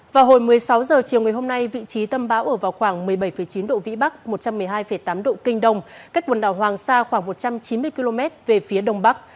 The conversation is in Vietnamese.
vào hồi một mươi sáu h chiều ngày hôm nay vị trí tâm bão ở vào khoảng một mươi bảy chín độ vĩ bắc một trăm một mươi hai tám độ kinh đông cách quần đảo hoàng sa khoảng một trăm chín mươi km về phía đông bắc